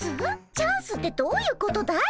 チャンスってどういうことだい？